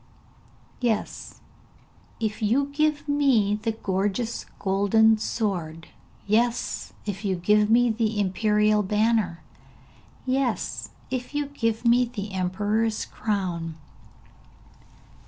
'Yes, if you give me the gorgeous golden sword; yes, if you give me the imperial banner; yes, if you give me the emperor's crown.'